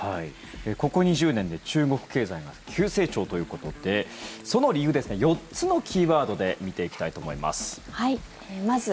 ここ２０年で中国経済が急成長ということでその理由を４つのキーワードで見ていきたいと思います。